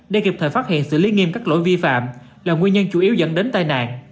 để kịp thời phát hiện xử lý nghiêm các lỗi vi phạm là nguyên nhân chủ yếu dẫn đến tai nạn